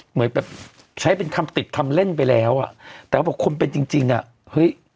เหมือนแบบใช้เป็นคำติดคำเล่นไปแล้วอ่ะแต่เขาบอกคนเป็นจริงจริงอ่ะเฮ้ย